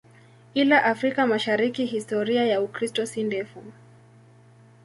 Ila Afrika Mashariki historia ya Ukristo si ndefu.